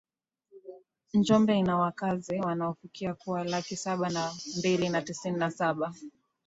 Njombe ina wakazi wanaofikia kuwa laki saba na mbili na tisini na Saba